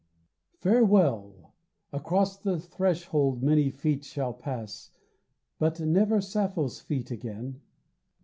Farewell! Across the threshold many feet Shall pass, but never Sappho's feet again.